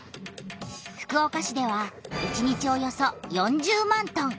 福岡市では１日およそ４０万トン！